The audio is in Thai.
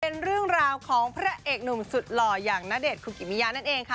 เป็นเรื่องราวของผู้เก่งซุดหล่อยอย่างนาเดตคุกกิมี่ย่านั่นเองค่ะ